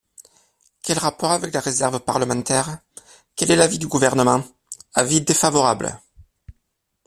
Quel rapport avec la réserve parlementaire ? Quel est l’avis du Gouvernement ? Avis défavorable.